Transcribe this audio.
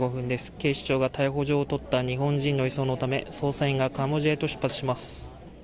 警視庁が逮捕状を取った日本人の移送のため捜査員がカンボジアへと出発します